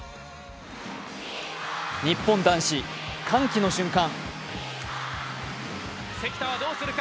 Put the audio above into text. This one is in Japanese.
日本男子、歓喜の瞬間。